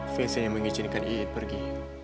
vincent yang mengizinkan iit pergi